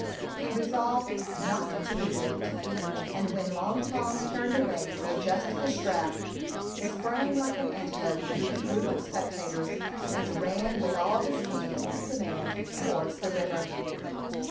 He resolved not to be whipped, and, when Long Tom turned away to adjust the strap, he sprang like an antelope through the group of spectators, and ran with all the speed he could command towards the river.